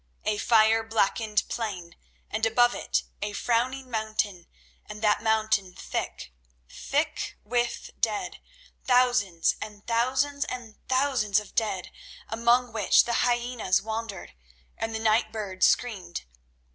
A fire blackened plain, and above it a frowning mountain, and that mountain thick, thick with dead, thousands and thousands and thousands of dead, among which the hyenas wandered and the night birds screamed.